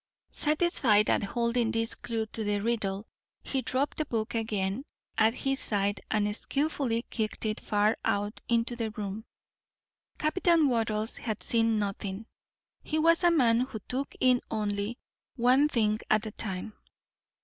Satisfied at holding this clew to the riddle, he dropped the book again at his side and skilfully kicked it far out into the room. Captain Wattles had seen nothing. He was a man who took in only one thing at a time.